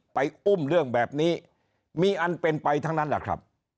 อุ้มเรื่องแบบนี้มีอันเป็นไปทั้งนั้นแหละครับ